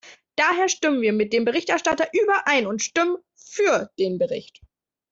Daher stimmen wir mit dem Berichterstatter überein und stimmen für den Bericht.